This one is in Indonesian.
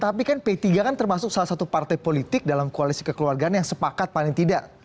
tapi kan p tiga kan termasuk salah satu partai politik dalam koalisi kekeluargaan yang sepakat paling tidak